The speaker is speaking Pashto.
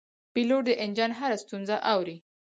پیلوټ د انجن هره ستونزه اوري.